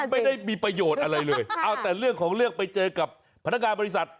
ไม่ได้มีประโยชน์อะไรเลยเอาแต่เรื่องของเรื่องไปเจอกับพนักงานบริษัท